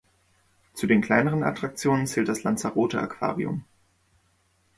Zu den kleineren Attraktionen zählt das Lanzarote Aquarium.